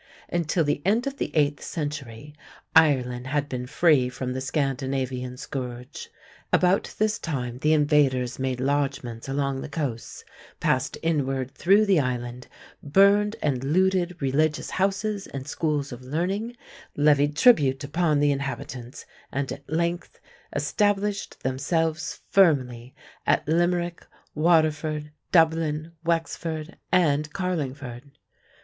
Until the end of the eighth century Ireland had been free from the Scandinavian scourge. About this time the invaders made lodgments along the caasts, passed inward through the island, burned and looted religious houses and schools of learning, levied tribute upon the inhabitants, and at length established themselves firmly at Limerick, Waterford, Dublin, Wexford, and Carlingford.